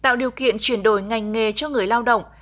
tạo điều kiện chuyển đổi ngành nghề cho người lao động